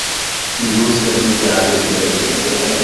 Indústrias Nucleares do Brasil